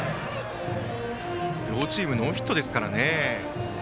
両チーム、ノーヒットですからね。